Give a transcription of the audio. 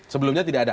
sebelumnya tidak ada